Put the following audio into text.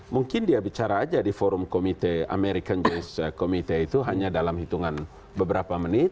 mungkin dia bicara aja di forum komite american jense committee itu hanya dalam hitungan beberapa menit